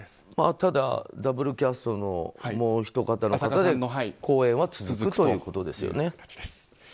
ただダブルキャストのもうお一方の公演は続くということですよね。